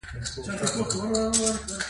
خاوره د افغانستان د ځایي اقتصادونو بنسټ دی.